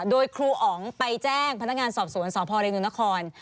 โดยครูอ๋องไปแจ้งพนักงานสอบสวนสพเรนุนคร